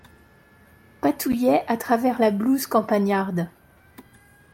Patouillet à travers la blouse campagnarde :